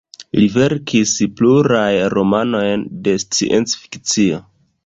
Li verkis pluraj romanojn de sciencfikcio.